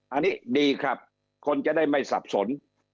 อันนี้ดีครับคนจะได้ไม่สับสน